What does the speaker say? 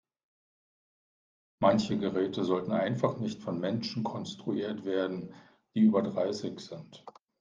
Manche Geräte sollten einfach nicht von Menschen konstruiert werden, die über dreißig sind.